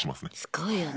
すごいよね。